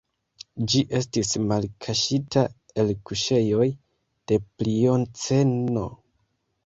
Ĝi estis malkaŝita el kuŝejoj de Plioceno.